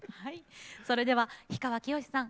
それでは氷川きよしさん